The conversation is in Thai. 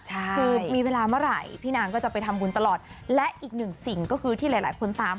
คือมีเวลาเมื่อไหร่พี่นางก็จะไปทำบุญตลอดและอีกหนึ่งสิ่งก็คือที่หลายหลายคนตาม